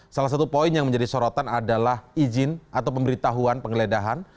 salah satu poin yang menjadi sorotan adalah izin atau pemberitahuan penggeledahan